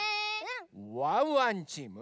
ワンワンチーム。